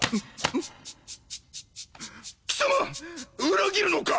裏切るのか？